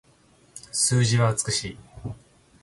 数字は美しい